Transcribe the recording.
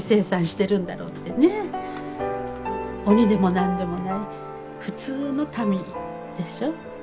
鬼でも何でもない普通の民でしょ？